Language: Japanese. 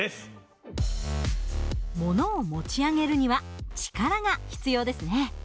ものを持ち上げるには力が必要ですね。